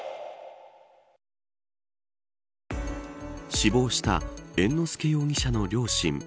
死亡した猿之助容疑者の両親。